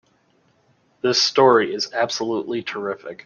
This story is absolutely terrific!